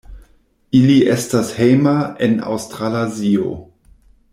Ili estas hejma en Aŭstralazio.